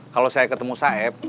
kalau saya ketemu saip